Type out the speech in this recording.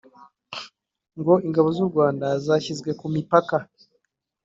ngo ingabo z’u Rwanda zashyizwe ku mipaka